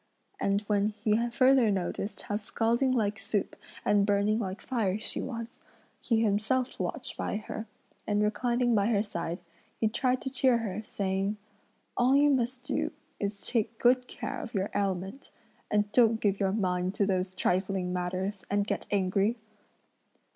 And when he further noticed how scalding like soup and burning like fire she was, he himself watched by her, and reclining by her side, he tried to cheer her, saying: "All you must do is to take good care of your ailment; and don't give your mind to those trifling matters, and get angry."